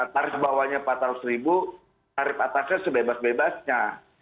tarif bawahnya rp empat ratus tarif atasnya sebebas bebasnya